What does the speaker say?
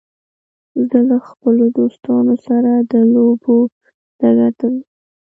زه له خپلو دوستانو سره د لوبو ډګر ته ځم.